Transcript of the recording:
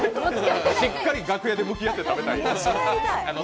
しっかり楽屋で向き合って食べたいよね。